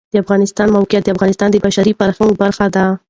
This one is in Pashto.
د افغانستان د موقعیت د افغانستان د بشري فرهنګ برخه ده.